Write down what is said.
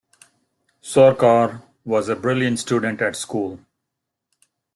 Sorcar was a brilliant student at school.